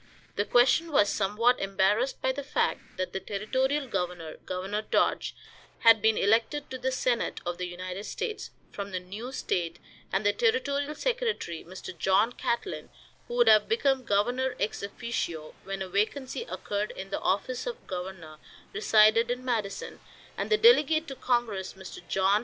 The question was somewhat embarrassed by the fact that the territorial governor, Governor Dodge, had been elected to the senate of the United States from the new state, and the territorial secretary, Mr. John Catlin, who would have become governor ex officio when a vacancy occurred in the office of governor, resided in Madison, and the delegate to congress, Mr. John H.